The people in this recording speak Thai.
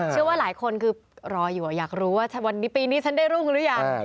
เชื่อว่าหลายคนคือรออยู่อยากรู้ว่าวันนี้ปีนี้ฉันได้รุ่งหรือยัง